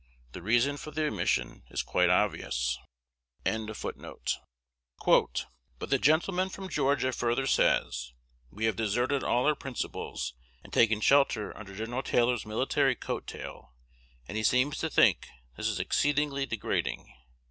The reason for the omission is quite obvious. "But the gentleman from Georgia further says, we have deserted all our principles, and taken shelter under Gen. Taylor's military coat tail; and he seems to think this is exceedingly degrading.